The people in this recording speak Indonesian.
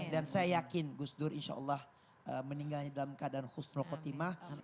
dan saya yakin gus dur insya allah meninggalnya dalam keadaan khusnul khotimah